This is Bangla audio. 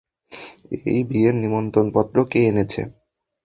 এই বিয়ের নিমন্ত্রণপত্র কে এনেছে?